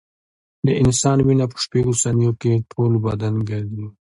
د انسان وینه په شپږو ثانیو کې ټول بدن ګرځي.